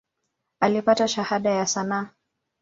Alipata Shahada ya sanaa.